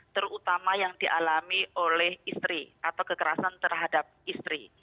terutama yang dialami oleh istri atau kekerasan terhadap istri